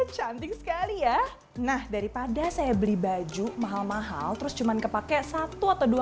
cantik sekali ya nah daripada saya beli baju mahal mahal terus cuman kepake satu atau dua